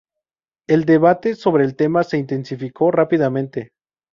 El debate sobre el tema se intensificó rápidamente.